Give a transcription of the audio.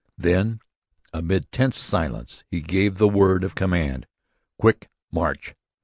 Then, amid tense silence, he gave the word of command _Quick, March!